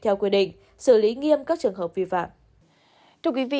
theo quy định xử lý nghiêm các trường hợp vi phạm